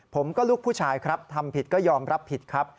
ลูกผู้ชายครับทำผิดก็ยอมรับผิดครับ